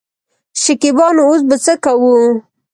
شکيبا : نو اوس به څه کوو.